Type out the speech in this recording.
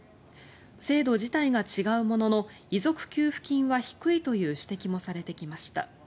制度自体が違うものの遺族給付金は低いという指摘もされてきました。